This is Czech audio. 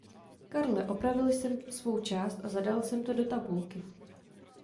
Karle, opravil jsem svou část a zadal jsem to do tabulky.